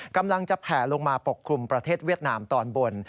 กำลังจะแผ่ลงมาปกคลุมประเทศเวียดนามตอนบน